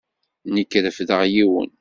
Nekk refdeɣ yiwen.